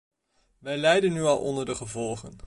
Wij lijden nu al onder de gevolgen.